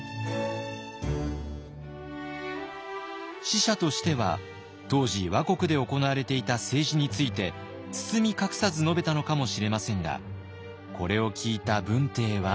使者としては当時倭国で行われていた政治について包み隠さず述べたのかもしれませんがこれを聞いた文帝は。